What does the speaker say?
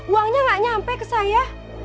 uangnya gak nyampe ke saya